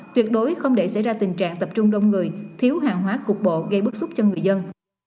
tuyệt đối không để xảy ra tình trạng tập trung đông người thiếu hàng hóa cục bộ gây bức xúc cho người dân